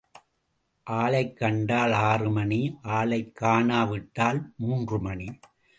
ஆளைக் கண்டால் ஆறு மணி ஆளைக் காணா விட்டால் மூன்று மணி.